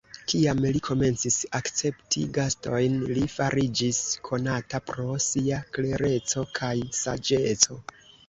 Kiam li komencis akcepti gastojn, li fariĝis konata pro sia klereco kaj saĝeco.